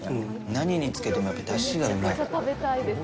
何につけてもやっぱり出汁がうまい。